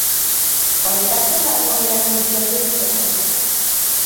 Fue encarcelado en la prisión de Villa Marista.